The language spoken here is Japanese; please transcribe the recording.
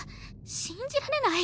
信じられない！